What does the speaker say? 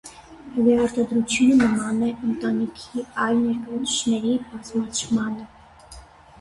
Վերարտադրությունը նման է ընտանիքի այլ ներկայացուցիչների բազմացմանը։